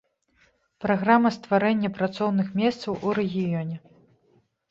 Праграма стварэння працоўных месцаў у рэгіёне.